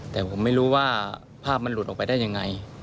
แต่ผมไม่รู้ว่าภาพมันหลุดออกไปได้ยังไง